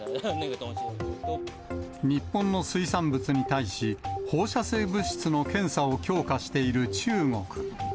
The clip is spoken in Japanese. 日本の水産物に対し、放射性物質の検査を強化している中国。